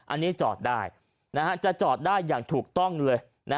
อันนี้จอดได้จะจอดได้อย่างถูกต้องเลย